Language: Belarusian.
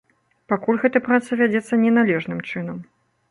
Пакуль гэта праца вядзецца не належным чынам.